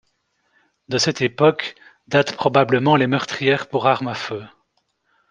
De cette époque datent probablement les meurtrières pour armes à feu.